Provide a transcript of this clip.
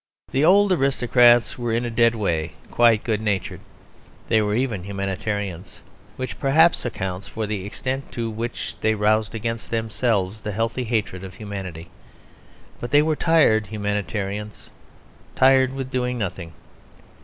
The old aristocrats were in a dead way quite good natured. They were even humanitarians; which perhaps accounts for the extent to which they roused against themselves the healthy hatred of humanity. But they were tired humanitarians; tired with doing nothing.